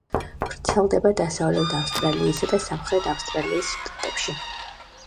ვრცელდება დასავლეთ ავსტრალიისა და სამხრეთ ავსტრალიის შტატებში.